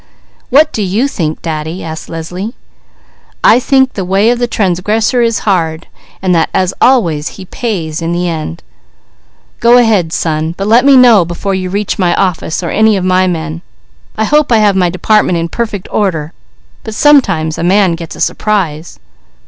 "What do you think, Daddy?" asked Leslie. "I think the 'way of the transgressor is hard,' and that as always he pays in the end. Go ahead son, but let me know before you reach my office or any of my men. I hope I have my department in perfect order, but sometimes a man gets a surprise."